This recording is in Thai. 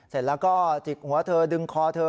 เสร็จแล้วก็จิกหัวเธอดึงคอเธอ